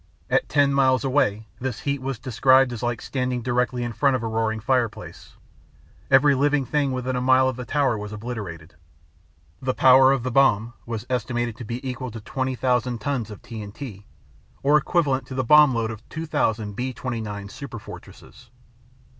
At ten miles away, this heat was described as like standing directly in front of a roaring fireplace. Every living thing within a mile of the tower was obliterated. The power of the bomb was estimated to be equal to 20,000 tons of TNT, or equivalent to the bomb load of 2,000 B 29, Superfortresses!